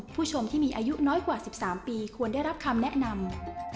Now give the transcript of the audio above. ผู้ชมที่มีอายุน้อยกว่า๑๓ปีควรได้รับคำแนะนำ